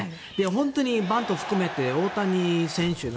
本当にバント含めて大谷選手が